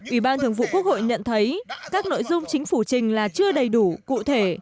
ủy ban thường vụ quốc hội nhận thấy các nội dung chính phủ trình là chưa đầy đủ cụ thể